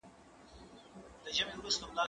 انځورونه د زهشوم له خوا رسم کيږي؟